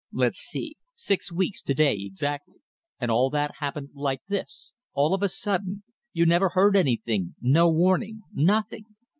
Let's see. Six weeks to day, exactly." "And all that happened like this? All of a sudden. You never heard anything no warning. Nothing.